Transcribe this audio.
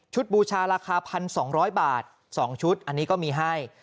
บูชาราคา๑๒๐๐บาท๒ชุดอันนี้ก็มีให้